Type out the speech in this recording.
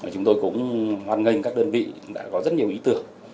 chúng tôi cũng hoan nghênh các đơn vị đã có rất nhiều ý tưởng